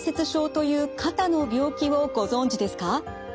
という肩の病気をご存じですか？